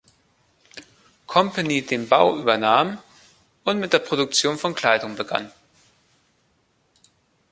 Company den Bau übernahm und mit der Produktion von Kleidung begann.